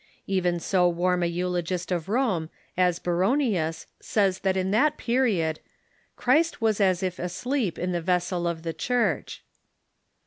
Even so warm a eulogist of Rome as Baronius says that in that period "Christ was as if asleep in the vessel of the Church."